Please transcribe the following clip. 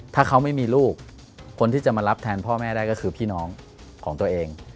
ถ้าเขาไม่มีลูกคนที่จะมารับแทนพ่อแม่ได้ก็คือพี่น้องของตัวเอง